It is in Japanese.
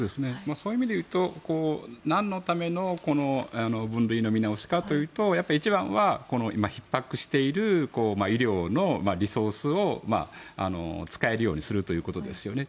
そういう意味で言うとなんのための分類の見直しかというと一番は今、ひっ迫している医療のリソースを使えるようにするということですよね。